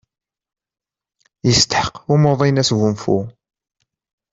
Yesteḥq umuḍin asgunfu.